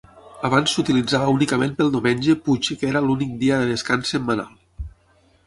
Abans s'utilitzava únicament pel diumenge puix que era l'únic dia de descans setmanal.